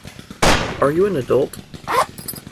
Are you an adult?